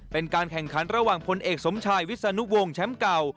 เป็นการแข่งขันระหว่างพลเอกสมชายวิศนุวงศ์แชมป์เก่า